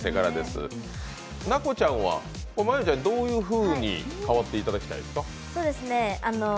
奈子ちゃんは真悠ちゃんにどういうふうに代わっていただきたいですか？